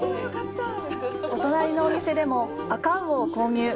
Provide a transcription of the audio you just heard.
お隣のお店でも、あかうおを購入！